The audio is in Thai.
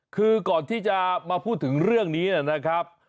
คือก่อนที่จะมาพูดถึงเรื่องนี้นะครับ